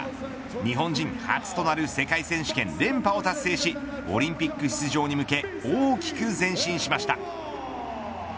日本人初となる世界選手権連覇を達成しオリンピック出場に向け大きく前進しました。